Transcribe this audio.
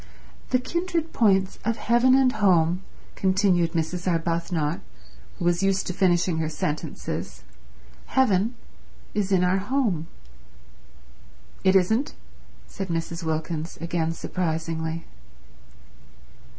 "The kindred points of heaven and home," continued Mrs. Arbuthnot, who was used to finishing her sentences. "Heaven is in our home." "It isn't," said Mrs. Wilkins, again surprisingly.